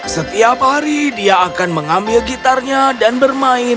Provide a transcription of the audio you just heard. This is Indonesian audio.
setiap hari dia akan mengambil gitarnya dan mencari jaring